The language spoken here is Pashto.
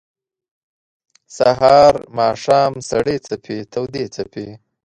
سهار ، ماښام سړې څپې تودي څپې